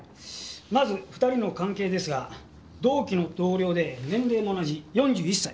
まず２人の関係ですが同期の同僚で年齢も同じ４１歳。